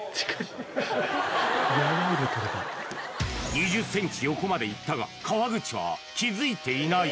２０ｃｍ横まで行ったが川口は気づいていない